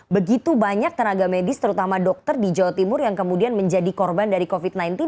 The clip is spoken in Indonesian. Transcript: begitu banyak tenaga medis terutama dokter di jawa timur yang kemudian menjadi korban dari covid sembilan belas